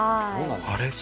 あれ？